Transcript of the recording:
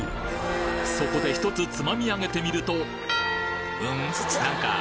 そこで１つつまみ上げてみるとん？